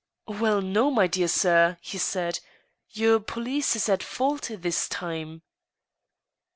" Well, no, my dear sir," he said ; "your police is at fault this time."